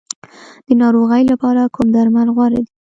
د ناروغۍ لپاره کوم درمل غوره دي؟